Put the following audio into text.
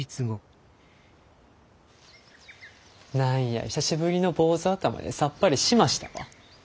何や久しぶりの坊主頭でさっぱりしましたわ。